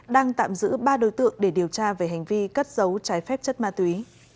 đang tạm giữ ba đối tượng để điều tra về hành vi cất giấu trái phép chất ma túy